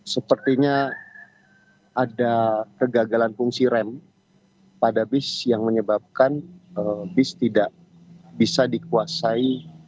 sepertinya ada kegagalan fungsi rem pada bis yang menyebabkan bis tidak bisa dikuasai